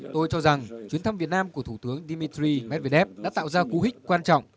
tôi cho rằng chuyến thăm việt nam của thủ tướng dmitry medvedev đã tạo ra cú hích quan trọng